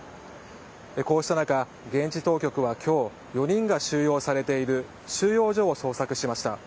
こうした中、現地当局は今日４人が収容されている収容所を捜索しました。